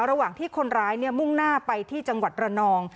ระหว่างที่คนร้ายมุ่งหน้าไปที่จังหวัดระนอง